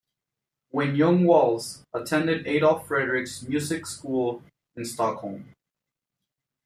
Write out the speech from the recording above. When young Walz attended Adolf Fredrik's Music School in Stockholm.